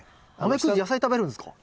ナメクジ野菜食べるんですか？